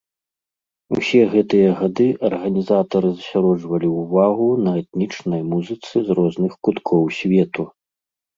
Усе гэтыя гады арганізатары засяроджвалі ўвагу на этнічнай музыцы з розных куткоў свету.